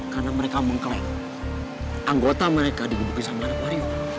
karena mereka mengklaim anggota mereka digebukin sama anak warior